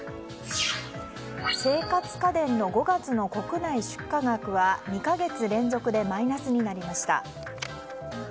生活家電の５月の国内出荷額は２か月連続でマイナスになりました。